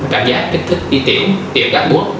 cảm giác kích thích y tiểu tiểu gạc bút